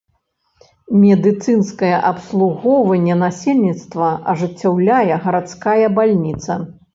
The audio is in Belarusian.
Медыцынскае абслугоўванне насельніцтва ажыццяўляе гарадская бальніца.